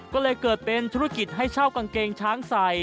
ก็เลยเกิดเป็นธุรกิจให้เช่ากางเกงช้างใส่